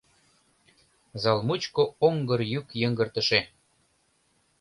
Зал мучко оҥгыр йӱк йыҥгыртыше.